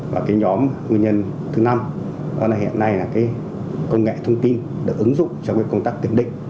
và nhóm nguyên nhân thứ năm đó là hiện nay công nghệ thông tin được ứng dụng trong công tác kiểm định